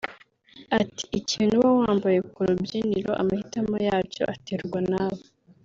Ati “Ikintu uba wambaye ku rubyiniro amahitamo yacyo aterwa nawe